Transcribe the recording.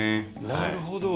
なるほど。